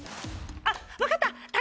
あっ分かった！